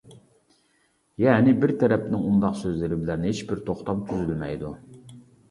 يەنى بىر تەرەپنىڭ ئۇنداق سۆزلىرى بىلەن ھېچبىر توختام تۈزۈلمەيدۇ.